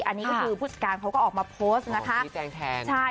อันนี้ก็คือผู้จัดการเขาก็ออกมาโพสต์นะคะ